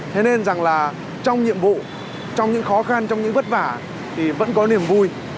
thế nên rằng là trong nhiệm vụ trong những khó khăn trong những vất vả thì vẫn có niềm vui